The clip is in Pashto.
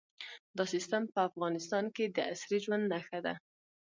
دا سیستم په افغانستان کې د عصري ژوند نښه ده.